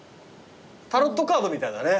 タロットカードみたいだね。